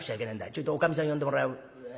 ちょいとおかみさん呼んでもらえねえか。